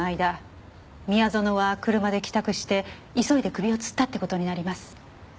宮園は車で帰宅して急いで首をつったって事になります。